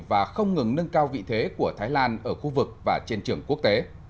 và không ngừng nâng cao vị thế của thái lan ở khu vực và trên trường quốc tế